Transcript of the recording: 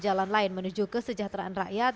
jalan lain menuju kesejahteraan rakyat